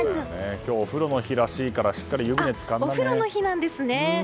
今日、お風呂の日らしいからしっかり湯船に浸からないとね。